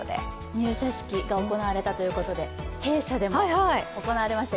入社式が行われたということで、弊社でも行われました。